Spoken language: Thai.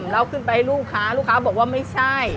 เราขึ้นไปลูกค้าลูกค้าบอกว่าไม่ใช่